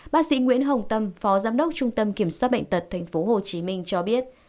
bác sĩ nguyễn hồng tâm phó giám đốc trung tâm kiểm soát bệnh tật tp hcm cho biết